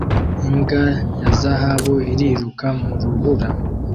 Imbwa ya zahabu iriruka mu rubura